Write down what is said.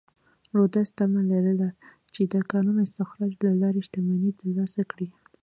رودز تمه لرله چې د کانونو استخراج له لارې شتمنۍ ترلاسه کړي.